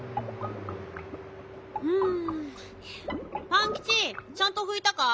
パンキチちゃんとふいたか？